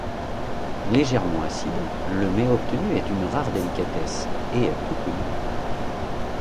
Légèrement acide, le met obtenu est d'une rare délicatesse et est peu connu.